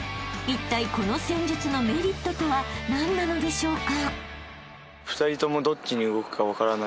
［いったいこの戦術のメリットとは何なのでしょうか？］